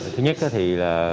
thứ nhất thì là